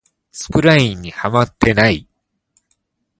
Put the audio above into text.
スプラインにハマってない